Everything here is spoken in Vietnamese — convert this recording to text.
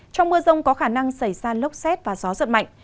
trong mưa rông có khả năng xảy ra lốc xét và gió giật mạnh